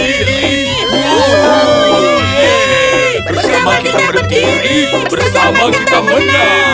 yeay bersama kita berdiri bersama kita menang